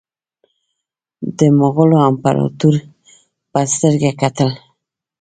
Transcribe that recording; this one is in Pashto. د مغولو امپراطور په سترګه کتل.